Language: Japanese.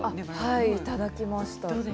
いただきました。